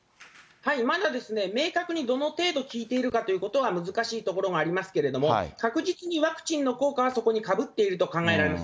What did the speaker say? まだ明確にどの程度効いているかということは、難しいところもありますけれども、確実にワクチンの効果はそこにかぶっていると考えられます。